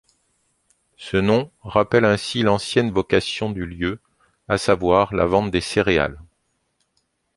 Ce nom rappelle ainsi l'ancienne vocation du lieu, à savoir la vente des céréales.